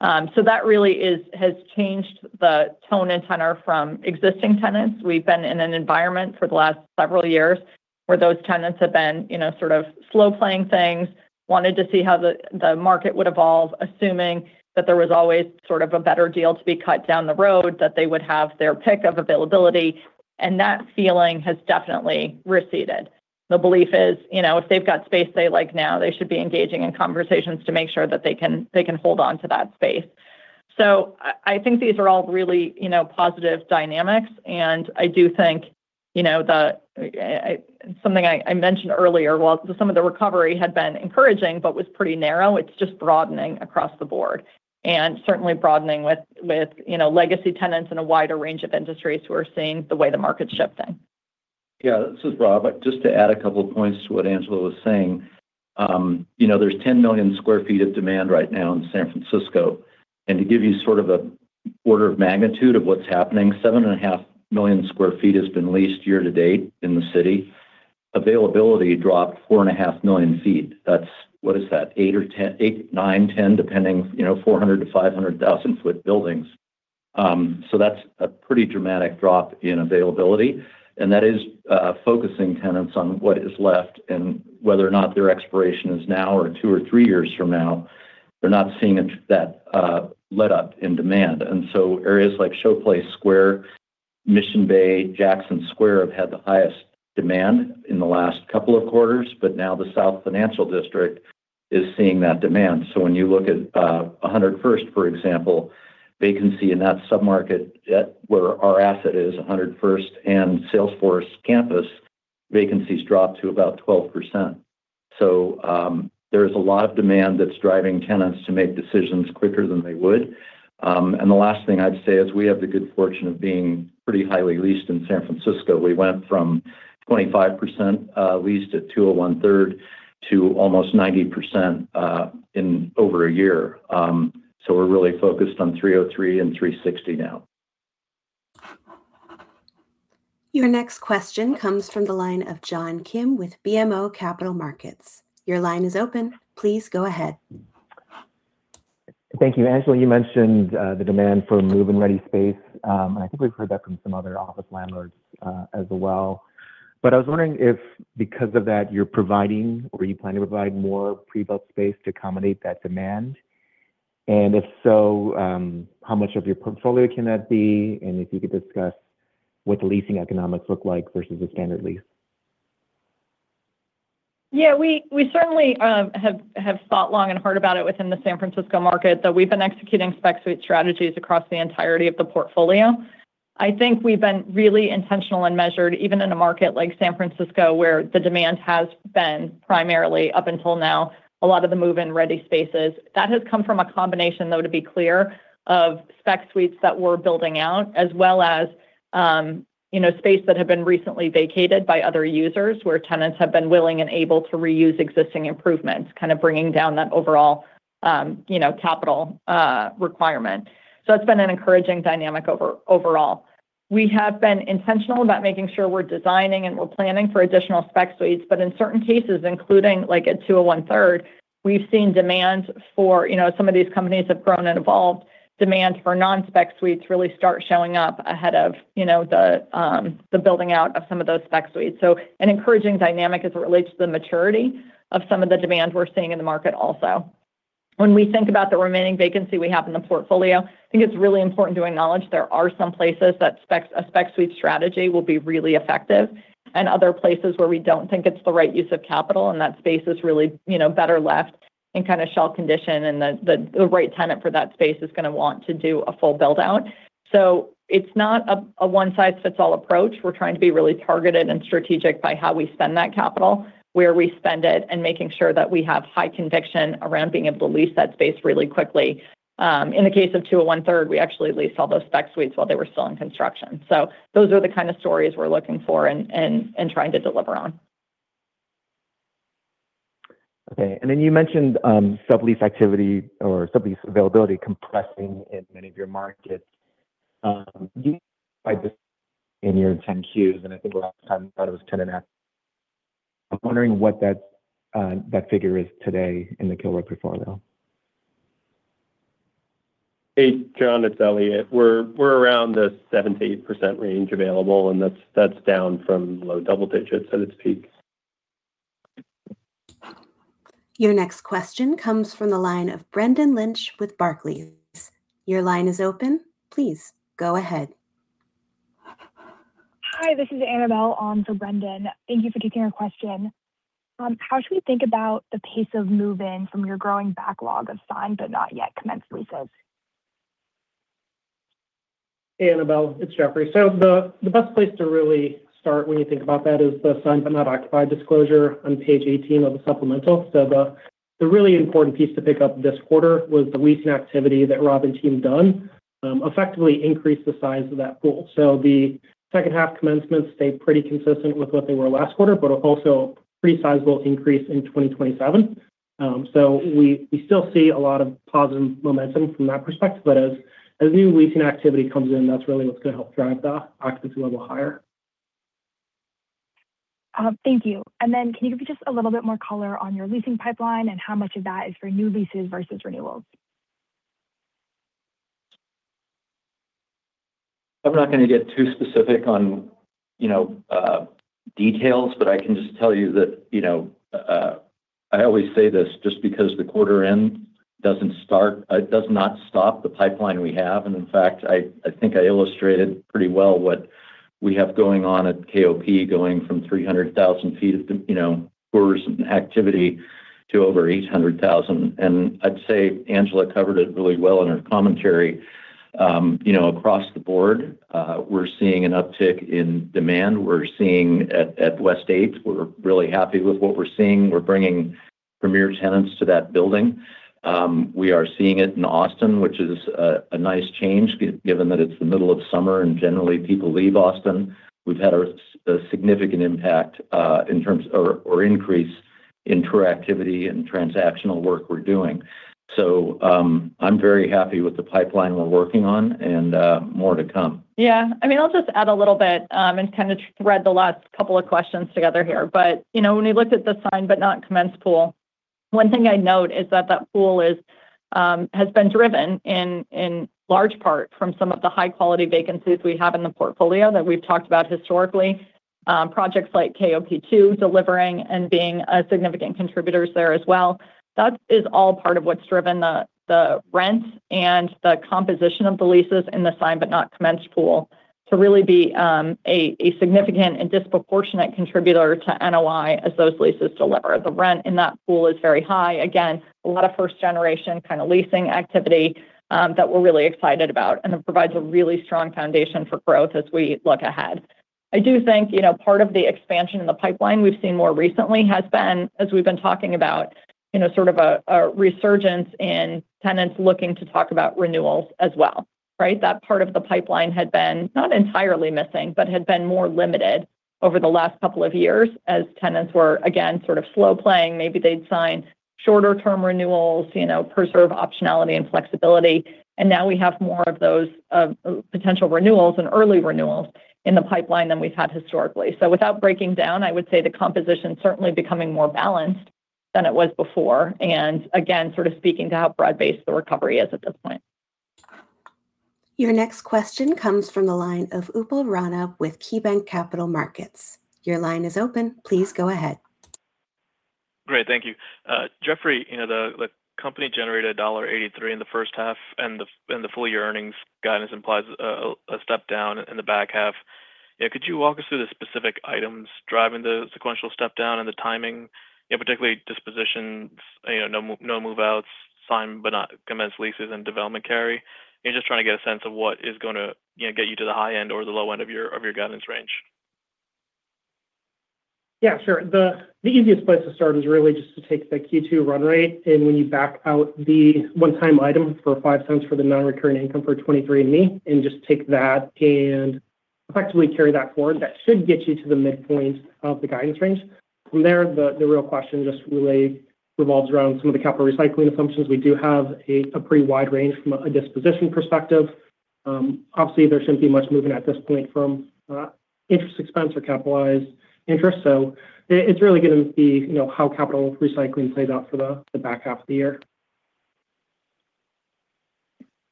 That really has changed the tone and tenor from existing tenants. We've been in an environment for the last several years where those tenants have been sort of slow playing things, wanted to see how the market would evolve, assuming that there was always sort of a better deal to be cut down the road, that they would have their pick of availability, and that feeling has definitely receded. The belief is if they've got space they like now, they should be engaging in conversations to make sure that they can hold onto that space. I think these are all really positive dynamics, and I do think something I mentioned earlier was some of the recovery had been encouraging but was pretty narrow. It's just broadening across the board and certainly broadening with legacy tenants in a wider range of industries who are seeing the way the market's shifting. Yeah, this is Rob. Just to add a couple of points to what Angela was saying. There's 10 million square feet of demand right now in San Francisco. To give you sort of an order of magnitude of what's happening, 7.5 million square feet has been leased year-to-date in the city. Availability dropped 4.5 million feet. That's what is that? eight, nine, 10 depending, 400,000-500,000 sq ft buildings. That's a pretty dramatic drop in availability, and that is focusing tenants on what is left and whether or not their expiration is now or two or three years from now. They're not seeing that letup in demand. Areas like Showplace Square, Mission Bay, Jackson Square have had the highest demand in the last couple of quarters, but now the South Financial District is seeing that demand. When you look at 100 First, for example, vacancy in that sub-market where our asset is, 100 First and Salesforce campus vacancies dropped to about 12%. There is a lot of demand that's driving tenants to make decisions quicker than they would. The last thing I'd say is we have the good fortune of being pretty highly leased in San Francisco. We went from 25% leased at 201 Third to almost 90% in over a year. We're really focused on 303 and 360 now. Your next question comes from the line of John Kim with BMO Capital Markets. Your line is open. Please go ahead. Thank you. Angela, you mentioned the demand for move-in ready space. I think we've heard that from some other office landlords as well. I was wondering if, because of that, you're providing or you plan to provide more prebuilt space to accommodate that demand. If so, how much of your portfolio can that be? If you could discuss what the leasing economics look like versus a standard lease. Yeah. We certainly have thought long and hard about it within the San Francisco market, though we've been executing spec suite strategies across the entirety of the portfolio. I think we've been really intentional and measured, even in a market like San Francisco, where the demand has been primarily up until now a lot of the move-in ready spaces. That has come from a combination, though, to be clear, of spec suites that we're building out, as well as space that have been recently vacated by other users, where tenants have been willing and able to reuse existing improvements, kind of bringing down that overall capital requirement. It's been an encouraging dynamic overall. We have been intentional about making sure we're designing and we're planning for additional spec suites, but in certain cases, including like at 201 Third, we've seen demand for some of these companies have grown and evolved, demand for non-spec suites really start showing up ahead of the building out of some of those spec suites. An encouraging dynamic as it relates to the maturity of some of the demand we're seeing in the market also. When we think about the remaining vacancy we have in the portfolio, I think it's really important to acknowledge there are some places that a spec suite strategy will be really effective, and other places where we don't think it's the right use of capital, and that space is really better left in kind of shell condition, and the right tenant for that space is going to want to do a full build out. It's not a one size fits all approach. We're trying to be really targeted and strategic by how we spend that capital, where we spend it, and making sure that we have high conviction around being able to lease that space really quickly. In the case of 201 Third, we actually leased all those spec suites while they were still in construction. Those are the kind of stories we're looking for and trying to deliver on. Okay, you mentioned sublease activity or sublease availability compressing in many of your markets. Do you [inaudible] this in your [inaudible] that I think. [inaudible] I'm wondering what that figure is today in the Kilroy portfolio. Hey, John, it's Eliott. We're around the 7%-8% range available, and that's down from low double digits at its peak. Your next question comes from the line of Brendan Lynch with Barclays. Your line is open. Please go ahead. Hi, this is Annabelle on for Brendan. Thank you for taking our question. How should we think about the pace of move-in from your growing backlog of signed but not yet commenced leases? Hey, Annabelle, it's Jeffrey. The best place to really start when you think about that is the signed but not occupied disclosure on page 18 of the Supplemental. The really important piece to pick up this quarter was the leasing activity that Rob and team done effectively increased the size of that pool. The second half commencements stayed pretty consistent with what they were last quarter, but also a pretty sizable increase in 2027. We still see a lot of positive momentum from that perspective. As new leasing activity comes in, that's really what's going to help drive that occupancy level higher. Thank you. Can you give me just a little bit more color on your leasing pipeline and how much of that is for new leases versus renewals? I'm not going to get too specific on details, but I can just tell you that I always say this, just because the quarter end does not stop the pipeline we have. In fact, I think I illustrated pretty well what we have going on at KOP, going from 300,000 ft of tours and activity to over 800,000. I'd say Angela covered it really well in her commentary. Across the board, we're seeing an uptick in demand. We're seeing at West 8, we're really happy with what we're seeing. We're bringing premier tenants to that building. We are seeing it in Austin, which is a nice change given that it's the middle of summer and generally people leave Austin. We've had a significant impact or increase in tour activity and transactional work we're doing. I'm very happy with the pipeline we're working on and more to come. Yeah. I'll just add a little bit and kind of thread the last couple of questions together here. When we look at the signed but not commenced pool, one thing I note is that pool has been driven in large part from some of the high quality vacancies we have in the portfolio that we've talked about historically. Projects like KOP 2 delivering and being significant contributors there as well. That is all part of what's driven the rent and the composition of the leases in the signed but not commenced pool to really be a significant and disproportionate contributor to NOI as those leases deliver. The rent in that pool is very high. Again, a lot of first generation kind of leasing activity that we're really excited about, and it provides a really strong foundation for growth as we look ahead. I do think part of the expansion in the pipeline we've seen more recently has been, as we've been talking about, sort of a resurgence in tenants looking to talk about renewals as well. Right? That part of the pipeline had been not entirely missing, but had been more limited over the last couple of years as tenants were, again, sort of slow playing. Maybe they'd sign shorter term renewals, preserve optionality and flexibility, and now we have more of those potential renewals and early renewals in the pipeline than we've had historically. Without breaking down, I would say the composition's certainly becoming more balanced than it was before, and again, sort of speaking to how broad based the recovery is at this point. Your next question comes from the line of Upal Rana with KeyBanc Capital Markets. Your line is open. Please go ahead. Great. Thank you. Jeffrey, the company generated $1.83 in the first half. The full year earnings guidance implies a step down in the back half. Could you walk us through the specific items driving the sequential step down and the timing, particularly dispositions, no move-outs, signed but not commenced leases and development carry? Just trying to get a sense of what is going to get you to the high end or the low end of your guidance range. Yeah, sure. The easiest place to start is really just to take the Q2 run rate. When you back out the one time item for $0.05 for the non-recurring income for 23andMe, just take that and effectively carry that forward, that should get you to the midpoint of the guidance range. From there, the real question just really revolves around some of the capital recycling assumptions. We do have a pretty wide range from a disposition perspective. Obviously, there shouldn't be much movement at this point from interest expense or capitalized interest. It's really going to be how capital recycling plays out for the back half of the year.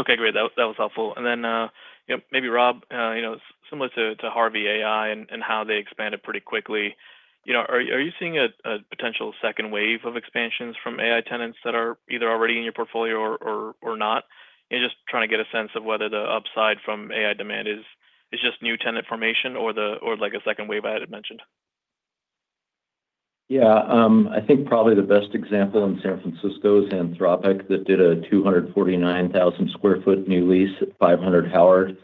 Okay, great. That was helpful. Then, maybe Rob, similar to Harvey AI and how they expanded pretty quickly. Are you seeing a potential second wave of expansions from AI tenants that are either already in your portfolio or not? Just trying to get a sense of whether the upside from AI demand is just new tenant formation or like a second wave I had mentioned. Yeah. I think probably the best example in San Francisco is Anthropic, that did a 249,000 sq ft new lease at 500 Howard.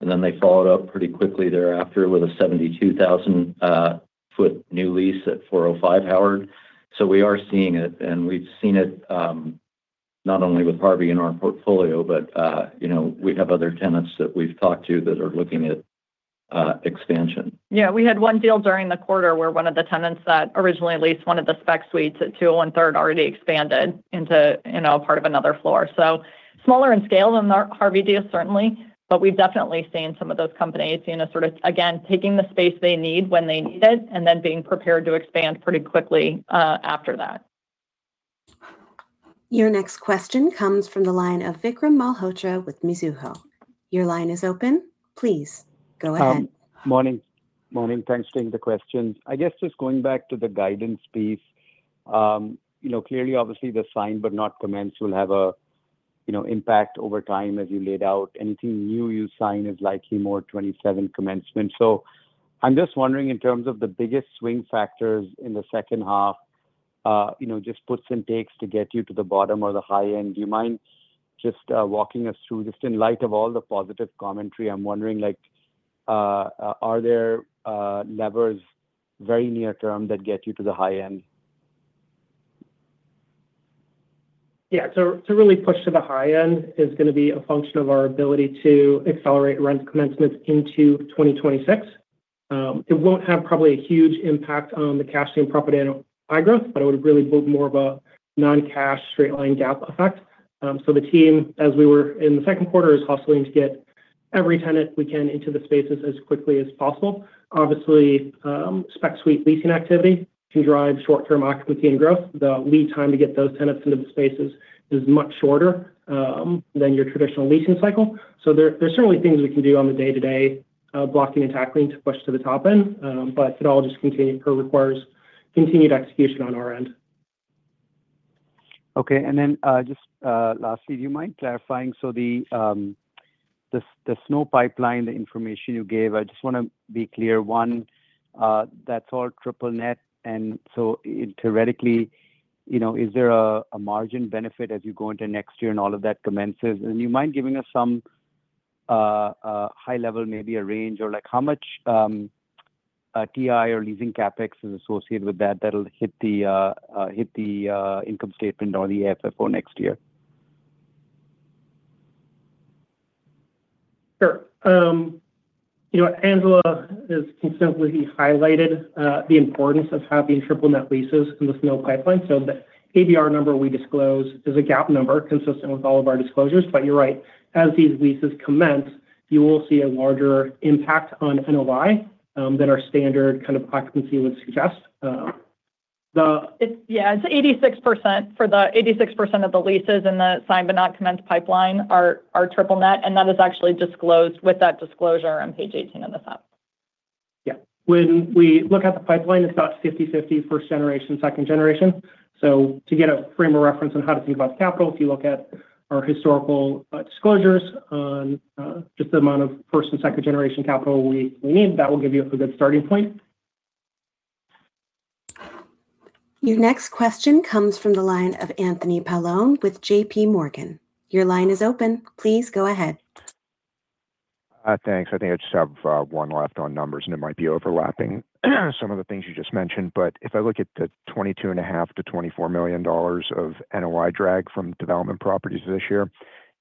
They followed up pretty quickly thereafter with a 72,000 ft new lease at 405 Howard. We are seeing it, we've seen it, not only with Harvey in our portfolio, but we have other tenants that we've talked to that are looking at expansion. We had one deal during the quarter where one of the tenants that originally leased one of the spec suites at 201 Third already expanded into part of another floor. Smaller in scale than the Harvey deal certainly, but we've definitely seen some of those companies sort of, again, taking the space they need when they need it, and then being prepared to expand pretty quickly after that. Your next question comes from the line of Vikram Malhotra with Mizuho. Your line is open. Please go ahead. Morning. Thanks for taking the questions. Just going back to the guidance piece. Clearly, obviously the signed but not commenced will have an impact over time as you laid out. Anything new you sign is likely more 2027 commencement. I'm just wondering, in terms of the biggest swing factors in the second half, just puts and takes to get you to the bottom or the high end. Do you mind just walking us through, just in light of all the positive commentary, I'm wondering, are there levers very near term that get you to the high end? To really push to the high end is going to be a function of our ability to accelerate rent commencements into 2026. It won't have probably a huge impact on the cash flow and property and high growth, but it would really build more of a non-cash straight line GAAP effect. The team, as we were in the second quarter, is hustling to get every tenant we can into the spaces as quickly as possible. Obviously, spec suite leasing activity can drive short term occupancy and growth. The lead time to get those tenants into the spaces is much shorter than your traditional leasing cycle. There's certainly things we can do on the day to day, blocking and tackling to push to the top end. It all just continues to require continued execution on our end. Just lastly, do you mind clarifying? The SNO pipeline, the information you gave, I just want to be clear. One, that's all triple net. Theoretically, is there a margin benefit as you go into next year and all of that commences? Do you mind giving us some high level, maybe a range, or how much TI or leasing CapEx is associated with that that'll hit the income statement or the FFO next year? Sure. Angela has consistently highlighted the importance of having triple net leases in the SNO pipeline. The ABR number we disclose is a GAAP number consistent with all of our disclosures. You're right. As these leases commence, you will see a larger impact on NOI than our standard kind of occupancy would suggest. 86% of the leases in the signed but not commenced pipeline are triple net, and that is actually disclosed with that disclosure on page 18 of the SUP. When we look at the pipeline, it's about 50/50 first generation, second generation. To get a frame of reference on how to think about capital, if you look at our historical disclosures on just the amount of first and second generation capital we need, that will give you a good starting point. Your next question comes from the line of Anthony Paolone with JPMorgan. Your line is open. Please go ahead. Thanks. I think I just have one left on numbers, and it might be overlapping some of the things you just mentioned. If I look at the $22.5 million-$24 million of NOI drag from development properties this year,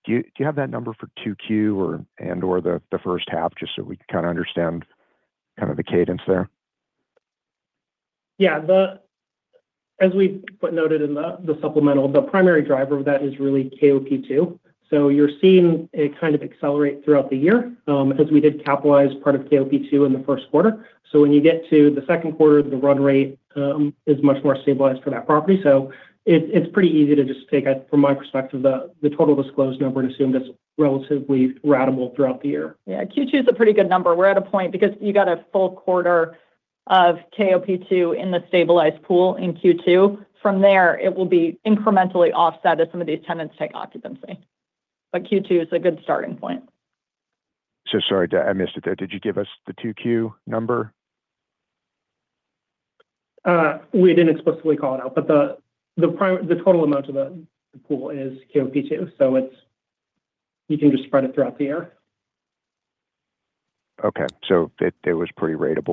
do you have that number for 2Q and/or the first half just so we can kind of understand the cadence there? Yeah. As we noted in the supplemental, the primary driver of that is really KOP 2. You're seeing it kind of accelerate throughout the year. We did capitalize part of KOP 2 in the first quarter. When you get to the second quarter, the run rate is much more stabilized for that property. It's pretty easy to just take, from my perspective, the total disclosed number and assume that's relatively ratable throughout the year. Yeah. Q2 is a pretty good number. We're at a point because you got a full quarter of KOP 2 in the stabilized pool in Q2. From there, it will be incrementally offset as some of these tenants take occupancy. Q2 is a good starting point. sorry, I missed it there. Did you give us the 2Q number? We didn't explicitly call it out, but the total amount of the pool is KOP 2, so you can just spread it throughout the year. Okay. it was pretty ratable